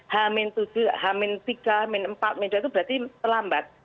h tiga h empat h dua itu berarti terlambat